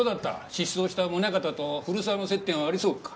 失踪した宗形と古沢の接点はありそうか？